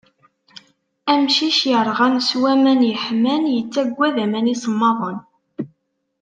Amcic yerɣan s waman yeḥman, yettaggad aman isemmaḍen.